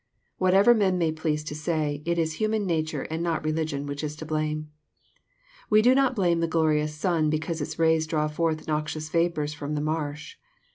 Whatever men may please to say, it is human nature, and not religion, which is to blame. We do not blame the glo rious sun because its rays draw forth noxious vapors from the marsh.